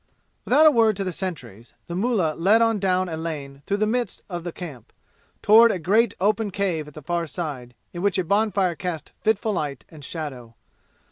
Without a word to the sentries the mullah led on down a lane through the midst of the camp, toward a great open cave at the far side, in which a bonfire cast fitful light and shadow.